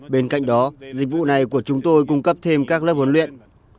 bên cạnh đó dịch vụ này của chúng tôi cung cấp thêm các lớp huấn luyện